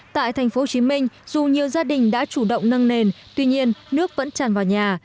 tại tp hcm dù nhiều gia đình đã chủ động nâng nền tuy nhiên nước vẫn tràn vào nhà